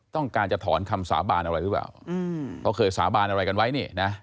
ต้องการจะถอนคำสาบานอะไรหรือเปล่าเขาเคยสาบานอะไรกันไว้นี่นะ